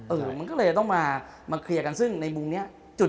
มันก็เลยจะต้องมาเคลียร์กันซึ่งในมุมนี้จุด